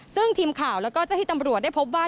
ซึ่งทีมข่าวและเจ้าหิตำรวจได้พบว่า